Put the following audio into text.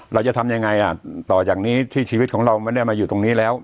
เราจะทำยังไงอ่ะต่อจากนี้ที่ชีวิตของเราไม่ได้มาอยู่ตรงนี้แล้ว